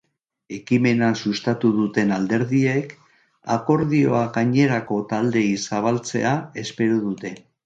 Ekimena sustatu duten alderdiek akordioa gainerako taldeei zabaltzea espero dute.